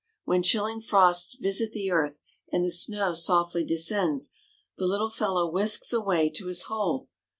When chilling frosts visit the earth and the snow softly descends, the little fellow whisks away to his hole.